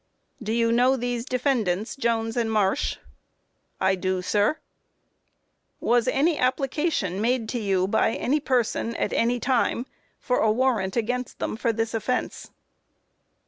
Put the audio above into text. Q. Do you know these defendants, Jones and Marsh? A. I do, sir. Q. Was any application made to you, by any person, at any time, for a warrant against them for this offence?